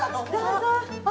どうぞ。